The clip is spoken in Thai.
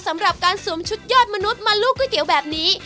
สำหรับการสวมชุดยอดมนุษย์มาลูกก๋วยเตี๋ยวแบบนี้